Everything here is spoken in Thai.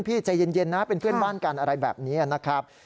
ใจเย็นนะเป็นเพื่อนบ้านกันอะไรแบบนี้นะครับ